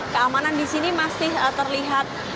keamanan di sini masih terlihat